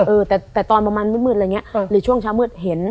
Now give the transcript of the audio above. เออแต่ตอนประมาณมืดอะไรอย่างนี้หรือช่วงเช้ามืดเห็น